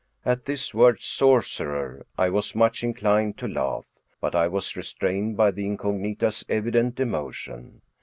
At this word sorcerer, I was much inclined to laugh; but I was restrained by the incognita's evident emotion.